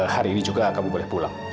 hari ini juga kamu boleh pulang